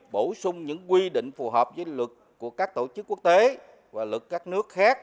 bổ sung những quy định phù hợp với luật của các tổ chức quốc tế và luật các nước khác